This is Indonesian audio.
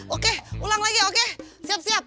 oke ulang lagi oke siap siap